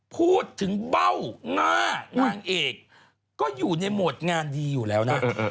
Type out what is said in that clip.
พูดถึงเบ้าหน้านางเอกก็อยู่ในโหมดงานดีอยู่แล้วนะ